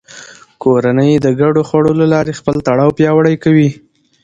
کورنۍ د ګډو خوړو له لارې خپل تړاو پیاوړی کوي